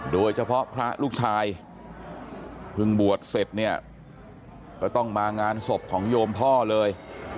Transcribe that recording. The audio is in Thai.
โดยเฉพาะพระลูกชายเพิ่งบวชเสร็จเนี่ยก็ต้องมางานศพของโยมพ่อเลย